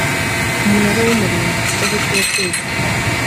umunara w umurinzi igazeti yo kwigwa